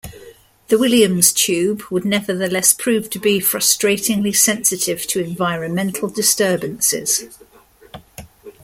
The Williams tube would nevertheless prove to be frustratingly sensitive to environmental disturbances.